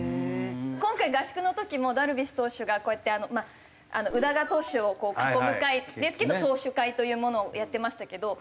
今回合宿の時もダルビッシュ投手がこうやって宇田川投手を囲む会ですけど投手会というものをやってましたけど。